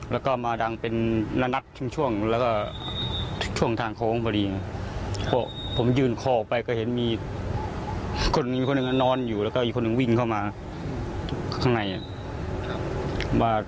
แล้วสถานที่ยิงสารนั้นยิงแหละลัวเลยหรือว่า